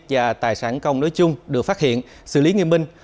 và tài sản công nơi chung được phát hiện xử lý nghiêm binh